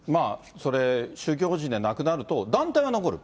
それ、宗教法人でなくなると、団体は残る。